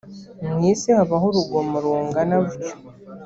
mu isi habaho urugomo rungana rutyo